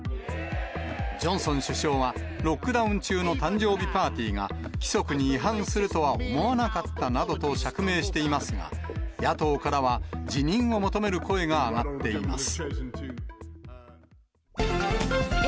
ジョンソン首相は、ロックダウン中の誕生日パーティーが規則に違反するとは思わなかったなどと釈明していますが、野党からは、辞任を求める声が上がっています。